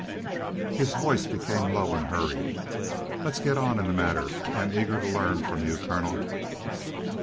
His voice became low and hurried. "Let us get on in the matter. I am eager to learn from you, colonel."